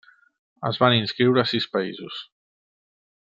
Es van inscriure sis països: